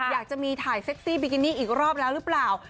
อยากจะมีถ่ายเซ็กซี่บิกินี่อีกรอบแล้วหรือเปล่า